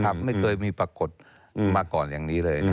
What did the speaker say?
ไม่เคยมีปรากฏมาก่อนอย่างนี้เลย